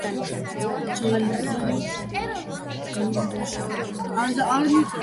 ჯეიმზი ლონდონში, გადამდგარი ოფიცრის ოჯახში დაიბადა.